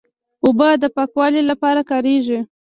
اوبه د پاکوالي لپاره کارېږي.